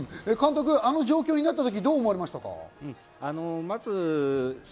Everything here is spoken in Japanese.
あの状況になったとき、どう思いましたか？